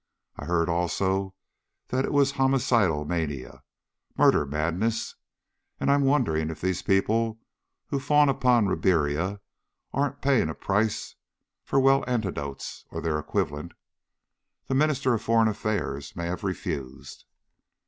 I heard, also, that it was homicidal mania murder madness. And I'm wondering if these people who fawn upon Ribiera aren't paying a price for well antidotes, or their equivalent. The Minister for Foreign Affairs may have refused."